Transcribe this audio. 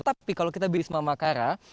tapi kalau kita di wisma makara